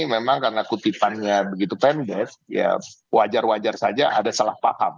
memang karena kutipannya begitu pendek ya wajar wajar saja ada salah paham